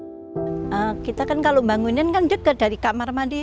nah kita kan kalau bangunin kan dekat dari kamar mandi